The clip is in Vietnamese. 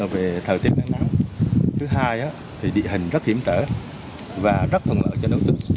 về thời tiết nắng nắng thứ hai thì địa hình rất hiểm trở và rất thông lợi cho đối tượng